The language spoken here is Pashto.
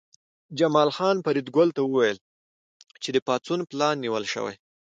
جمال خان فریدګل ته وویل چې د پاڅون پلان نیول شوی